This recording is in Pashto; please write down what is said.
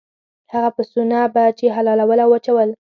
هغه پسونه به یې حلالول او وچول.